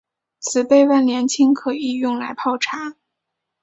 紫背万年青可以用来泡茶。